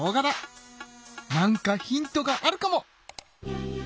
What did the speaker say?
なんかヒントがあるかも！